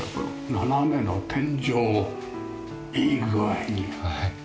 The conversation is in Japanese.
斜めの天井をいい具合に。